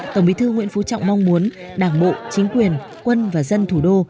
tổng bí thư nguyễn phú trọng mong muốn đảng bộ chính quyền quân và dân thủ đô